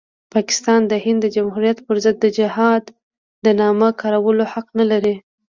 پاکستان د هند د جمهوریت پرضد د جهاد د نامه کارولو حق نلري.